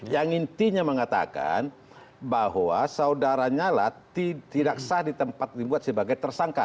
yang intinya mengatakan bahwa saudara nyala tidak sah di tempat dibuat sebagai tersangka